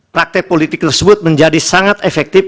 praktek politik tersebut menjadi sangat efektif